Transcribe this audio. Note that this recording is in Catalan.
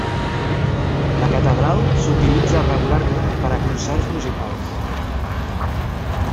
La catedral s'utilitza regularment per a concerts musicals.